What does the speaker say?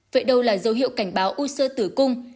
vậy đâu là dấu hiệu cảnh báo u sơ tử cung